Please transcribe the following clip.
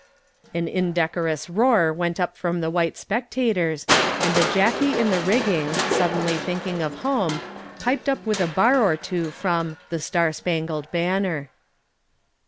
An indecorous roar went up from the white spectators and a jacky in the rigging, suddenly thinking of home, piped up with a bar or two from "The Star Spangled Banner."